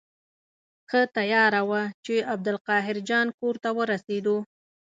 ښه تیاره وه چې عبدالقاهر جان کور ته ورسېدو.